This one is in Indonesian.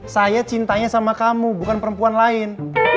saya cintanya sama kamu bukan perempuan lain